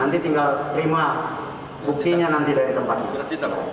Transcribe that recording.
nanti tinggal terima buktinya nanti dari tempatnya